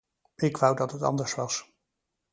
Ik wou dat het anders was.